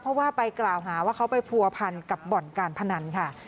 เพราะว่าไปกล่าวหาว่าเขาไปผัวพันกับบ่อนการพนันค่ะ